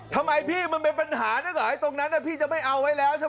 ทำไมพี่มันเป็นปัญหานั่นเหรอไอ้ตรงนั้นพี่จะไม่เอาไว้แล้วใช่ไหม